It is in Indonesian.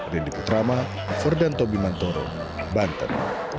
dan di putrama ferdan tobimantoro banten